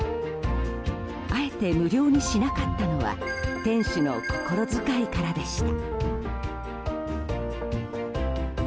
あえて無料にしなかったのは店主の心遣いからでした。